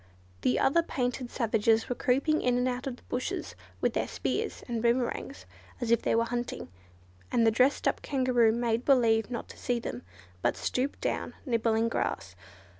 The other painted savages were creeping in and out of the bushes with their spears and boomerangs as if they were hunting, and the dressed up Kangaroo made believe not to see them, but stooped down, nibbling grass.